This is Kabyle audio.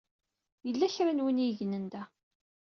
Yella kra n yiwen i yegnen da.